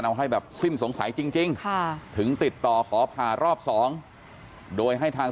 เอาให้แบบสิ้นสงสัยจริงถึงติดต่อขอผ่ารอบสองโดยให้ทาง